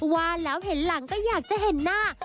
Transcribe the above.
ว่าแล้วเห็นหลังก็อยากจะเห็นหน้า